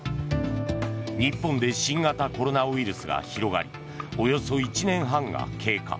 日本で新型コロナウイルスが広がりおよそ１年半が経過。